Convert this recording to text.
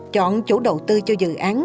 chọn chủ đầu tư cho dự án